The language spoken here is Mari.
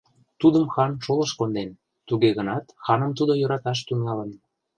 Тудым хан шолышт конден, туге гынат ханым тудо йӧраташ тӱҥалын.